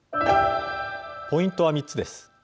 ポイントは３つです。